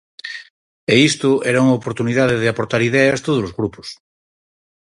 E isto era unha oportunidade de aportar ideas todos os grupos.